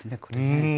これね。